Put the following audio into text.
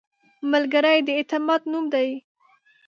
ملګری د اعتماد نوم دی